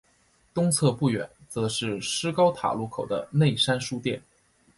东侧不远则是施高塔路口的内山书店。